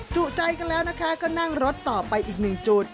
จุใจกันแล้วนะคะก็นั่งรถต่อไปอีกหนึ่งจุด